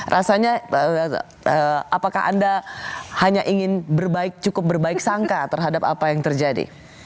rasanya apakah anda hanya ingin cukup berbaik sangka terhadap apa yang terjadi